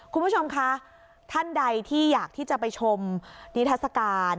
คุณผู้ชมคะท่านใดที่อยากที่จะไปชมนิทัศกาล